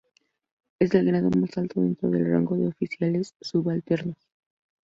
Es el grado más alto dentro del rango de oficiales subalternos.